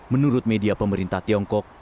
menurut media pemerintah tiongkok